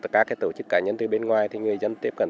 các tổ chức cá nhân từ bên ngoài thì người dân tiếp cận